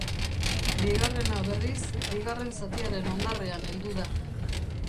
Bigarrena, berriz, bigarren zatiaren hondarrean heldu da.